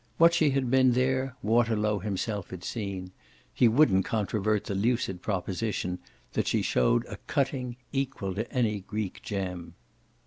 What she had been there Waterlow himself had seen: he wouldn't controvert the lucid proposition that she showed a "cutting" equal to any Greek gem.